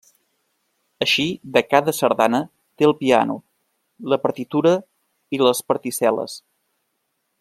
Així, de cada sardana té el piano, la partitura i les particel·les.